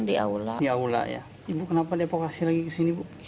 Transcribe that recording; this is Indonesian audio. ibu kenapa dievokasi lagi ke sini